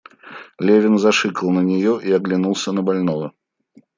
Левин зашикал на нее и оглянулся на больного.